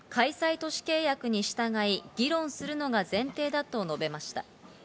都市契約に従い、議論するのが前提だと述べました。